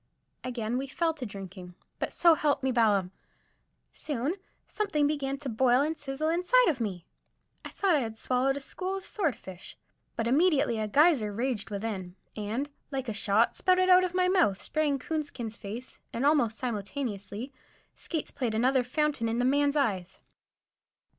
Again we fell to drinking. But, so help me Balaam! soon something began to boil and sizzle inside of me. I thought I had swallowed a school of swordfish, but immediately a geyser raged within, and, like a shot, spouted out of my mouth, spraying Coonskin's face; and almost simultaneously Skates played another fountain in the man's eyes.